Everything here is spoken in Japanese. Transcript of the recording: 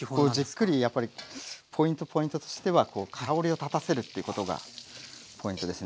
じっくりやっぱりポイントポイントとしては香りをたたせるってことがポイントですね。